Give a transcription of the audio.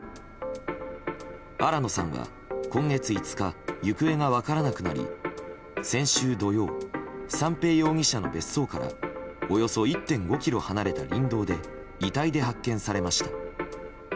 新野さんは今月５日行方が分からなくなり先週土曜、三瓶容疑者の別荘からおよそ１．５ｋｍ離れた林道で遺体で発見されました。